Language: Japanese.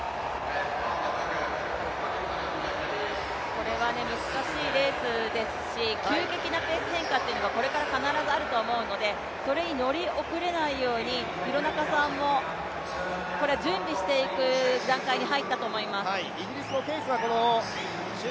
これは難しいレースですし急激なペース変化がこれから必ずあると思うのでそれに乗り遅れないように廣中さんも準備していく段階に入ったと思います。